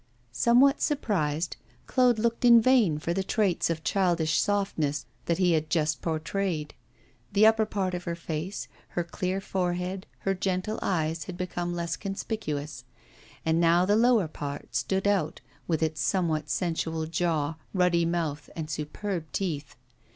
Somewhat surprised, Claude looked in vain for the traits of childish softness that he had just portrayed; the upper part of her face, her clear forehead, her gentle eyes had become less conspicuous; and now the lower part stood out, with its somewhat sensual jaw, ruddy mouth, and superb teeth.